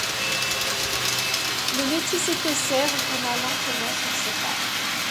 Le métis écossais retourna lentement sur ses pas.